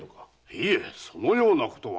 いえそのようなことは。